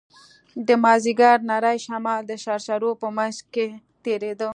د مازديګر نرى شمال د شرشرو په منځ کښې تېرېده.